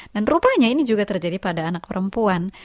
dan rupanya ini juga terjadi pada anak perempuan